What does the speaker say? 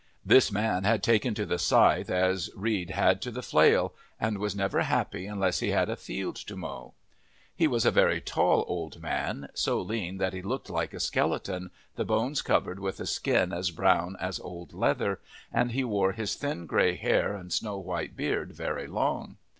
This man had taken to the scythe as Reed had to the flail, and was never happy unless he had a field to mow. He was a very tall old man, so lean that he looked like a skeleton, the bones covered with a skin as brown as old leather, and he wore his thin grey hair and snow white beard very long.